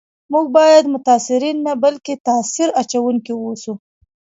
موږ باید متاثرین نه بلکي تاثیر اچونکي و اوسو